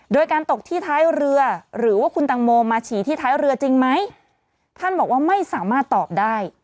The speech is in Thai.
โดยการตกที่ท้ายเรือหรือว่าคุณตังโมมาฉี่ที่ท้ายเรือจริงไหมท่านบอกว่าไม่สามารถตอบได้